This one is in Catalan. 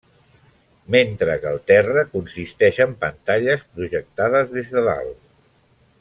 Mentre que el terra consisteix en pantalles projectades des de dalt.